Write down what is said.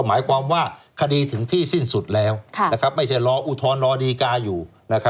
หมายความว่าคดีถึงที่สิ้นสุดแล้วไม่ใช่รออุทธรณ์รอดีกาอยู่